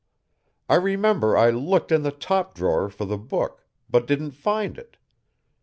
I remember I looked in the top drawer for the book, but didn't find it.